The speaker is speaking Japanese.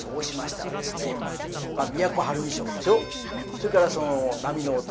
それからその波の音